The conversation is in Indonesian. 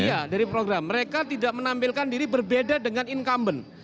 iya dari program mereka tidak menampilkan diri berbeda dengan incumbent